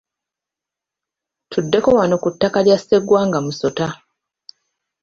Tuddeko wano ku ttaka lya Sseggwanga Musota